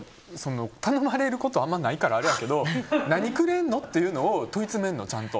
頼まれることあんまりないからあれやけど何くれんの？って問い詰めるの、ちゃんと。